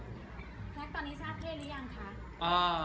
แนคตอนนี้ชาเทและยังกันค่ะ